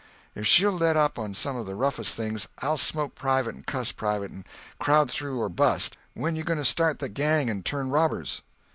If she'll let up on some of the roughest things, I'll smoke private and cuss private, and crowd through or bust. When you going to start the gang and turn robbers?"